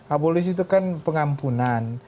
abolisi itu kan pengampunan